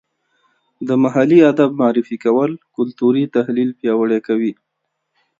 د محلي ادب معرفي کول کلتوري تحلیل پیاوړی کوي.